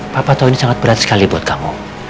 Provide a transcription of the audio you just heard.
papa tahu ini sangat berat sekali buat kamu